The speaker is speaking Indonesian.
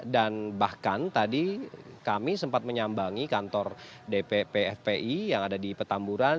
dan bahkan tadi kami sempat menyambangi kantor dpp fpi yang ada di petamburan